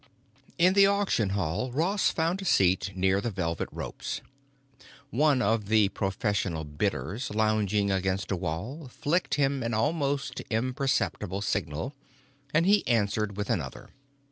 In the auction hall Ross found a seat near the velvet ropes. One of the professional bidders lounging against a wall flicked him an almost imperceptible signal, and he answered with another.